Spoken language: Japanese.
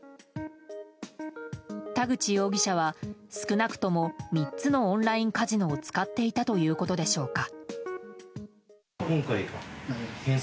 田口容疑者は少なくとも３つのオンラインカジノを使っていたということでしょうか。